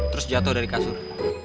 terus jatuh dari kasur